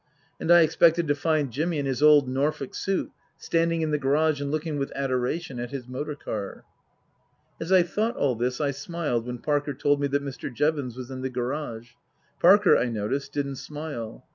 And I expected to find Jimmy in his old Norfolk suit standing in the garage and looking with adoration at his motor car. As I thought all this I smiled when Parker told me that Mr. Jevons was in the garage. Parker, I noticed, didn't smile.